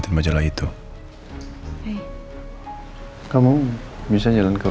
no nggak salah soper